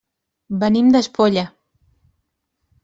Venim d'Espolla.